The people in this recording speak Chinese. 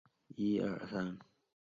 达朗贝尔方程是一个的波动方程。